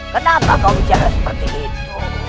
kenapa kau bicara seperti itu